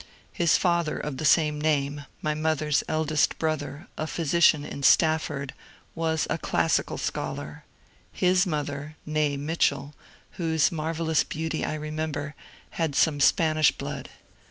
His father of the same name, my mother's eldest brother, a phy sician in Stafford, was a classical scholar ; his mother (n6e Mitchell), whose marvellous beauty I remember, had some Spanish blood.